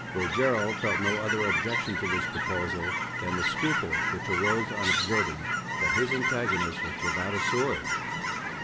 Rogero felt no other objection to this proposal than the scruple which arose on observing that his antagonist was without a sword.